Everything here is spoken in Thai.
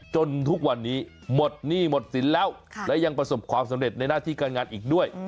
จนทุกวันนี้หมดหนี้หมดสินแล้วและยังประสบความสำเร็จในหน้าที่การงานอีกด้วย